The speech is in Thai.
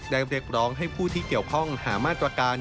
เรียกร้องให้ผู้ที่เกี่ยวข้องหามาตรการ